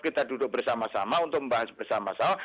kita duduk bersama sama untuk membahas bersama sama